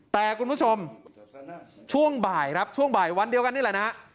แต่คุณผู้ชมช่วงบ่ายครับช่วงบ่ายวันเดียวกันนี่แหละนะ